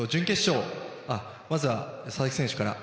まずは佐々木選手から。